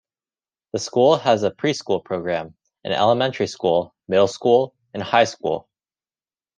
The school has a preschool program, an elementary school, middle school and high school.